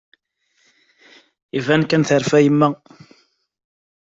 Iban kan terfa yemma.